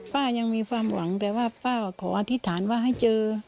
ยังมีความหวังแต่ว่าป้าขออธิษฐานว่าให้เจอ